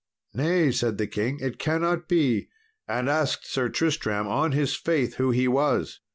"Nay," said the king, "it cannot be," and asked Sir Tristram on his faith who he was.